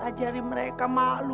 ajari mereka malu